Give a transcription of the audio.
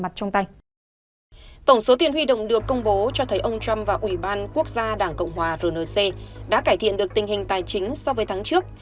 tổng số tiền huy động được công bố cho thấy ông trump và ủy ban quốc gia đảng cộng hòa rnc đã cải thiện được tình hình tài chính so với tháng trước